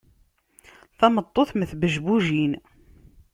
Tameṭṭut mm tbejbujin.